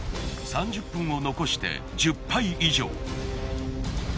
３０分を残して１０杯以上。